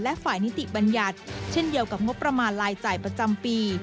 และฝ่ายนิติบัญญัติเช่นเดียวกับงบประมาณรายจ่ายประจำปี